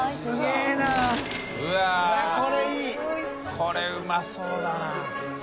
これうまそうだな。